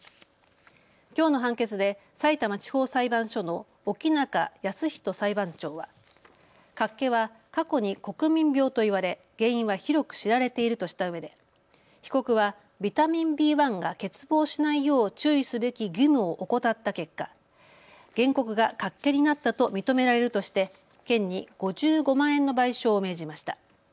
きょうの判決でさいたま地方裁判所の沖中康人裁判長はかっけは過去に国民病と言われ原因は広く知られているとしたうえで被告はビタミンＢ１が欠乏しないよう注意すべき義務を怠った結果、原告がかっけになったと認められるとして県に５５万円の賠償を命じました。